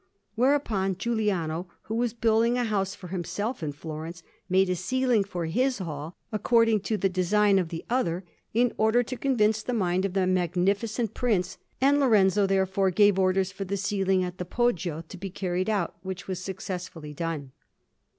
Whereupon Giuliano, who was building a house for himself in Florence, made a ceiling for his hall according to the design of the other, in order to convince the mind of that Magnificent Prince; and Lorenzo therefore gave orders for the ceiling at the Poggio to be carried out, which was successfully done.